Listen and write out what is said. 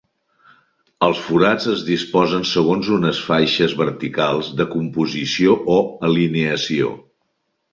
Els forats es disposen segons unes faixes verticals de composició o alineació.